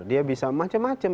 dia bisa macam macam